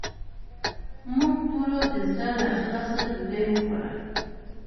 موږ ټولو د زړه له اخلاصه ډوډې وخوړه